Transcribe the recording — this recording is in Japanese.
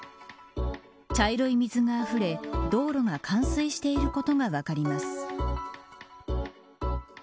茶色い水があふれ道路が冠水していることが分かります。